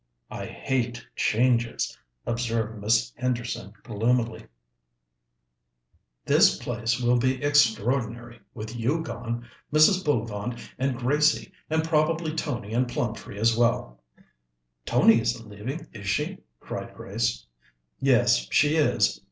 "I hate changes," observed Miss Henderson gloomily. "This place will be extraordinary, with you gone, Mrs. Bullivant, and Gracie, and probably Tony and Plumtree as well." "Tony isn't leaving, is she?" cried Grace. "Yes, she is.